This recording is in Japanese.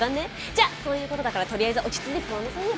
じゃあそういう事だからとりあえず落ち着いて座んなさいよ。